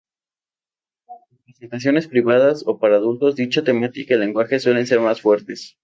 En presentaciones privadas o para adultos, dicha temática y lenguaje suelen ser más fuertes.